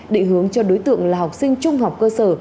định hướng cho đối tượng là học sinh trung học cơ sở